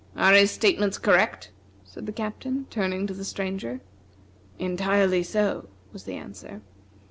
"Are his statements correct?" said the Captain, turning to the Stranger. "Entirely so," was the answer.